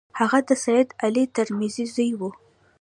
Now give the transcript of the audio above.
هغه د سید علي ترمذي زوی وو.